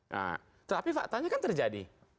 nah tapi faktanya kan terjadi